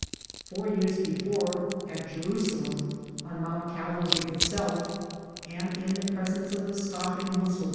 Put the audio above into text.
Four years before, at Jerusalem, on Mount Calvary itself, and in presence of the scoffing Mussul A PROCESSION.